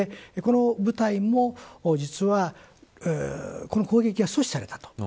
この部隊も実はこの攻撃は阻止されたと。